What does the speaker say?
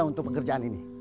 untuk pekerjaan ini